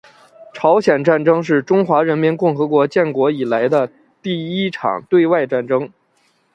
朝鲜战争是中华人民共和国建国以来的第一场对外战争。